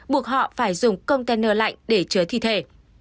buộc họ phải dùng container lạnh để chứa thi thể